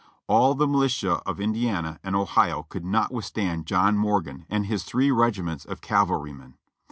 All the militia of Indiana and Ohio could not withstand John Morgan and his three regiments of cavalrymen.